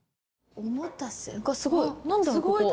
おもたせすごい何だろう？